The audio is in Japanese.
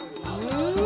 うわ。